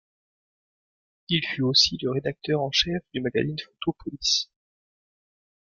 Il fut aussi le rédacteur en chef du magazine Photo Police.